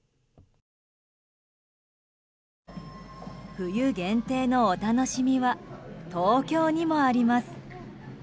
冬限定のお楽しみは東京にもあります。